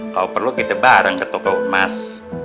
kalau perlu kita bareng ke toko emas